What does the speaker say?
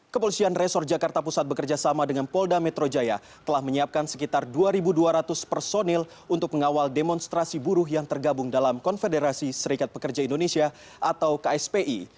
kepolisian resor jakarta pusat bekerjasama dengan polda metro jaya telah menyiapkan sekitar dua dua ratus personil untuk mengawal demonstrasi buruh yang tergabung dalam konfederasi serikat pekerja indonesia atau kspi